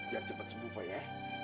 biar cepat sembuh pak ya